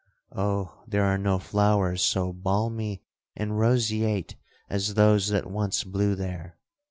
Oh! there are no flowers so balmy and roseate as those that once blew there!